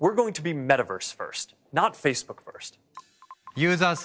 ユーザー数